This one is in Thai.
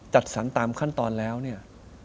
จัดสรรตามขั้นตอนแล้วเนี่ย